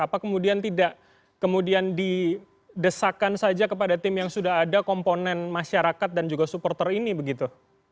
apa kemudian tidak kemudian didesakkan saja kepada tim yang sudah ada komponen masyarakat dan juga supporter ini begitu